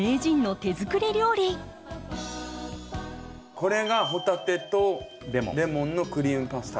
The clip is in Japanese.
これがほたてとレモンのクリームパスタ。